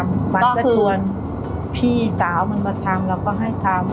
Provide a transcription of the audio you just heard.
มันก็ชวนพี่สาวมันมาทำเราก็ให้ทำ